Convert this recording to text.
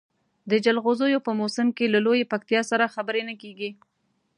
د جلغوزیو په موسم کې له لویې پکتیا سره خبرې نه کېږي.